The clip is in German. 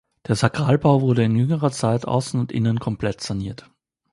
Der Sakralbau wurde in jüngerer Zeit außen und innen komplett saniert.